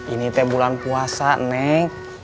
ini teh bulan puasa naik